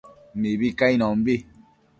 Mibi cainonbi